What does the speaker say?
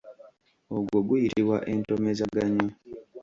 Ogwo guyitibwa entomezaganyo.